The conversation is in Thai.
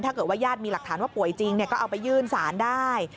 ญาติญาติมีหลักฐานว่าป่วยจริงก็เอาไปยื่นศาลได้